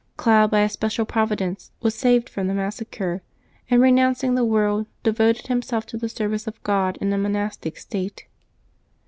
Cloud, by a special providence, was saved from the massacre, and, renouncing the world, devoted himself to the service of God in a monastic state.